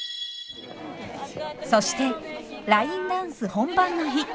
そしてラインダンス本番の日。